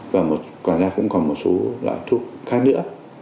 và một quả ra cũng còn một số loại thuốc khác nữa